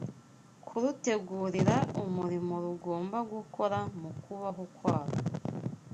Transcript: kurutegurira umurimo rugomba gukora mu kubaho kwarwo